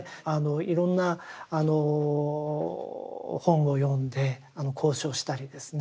いろんな本を読んで考証したりですね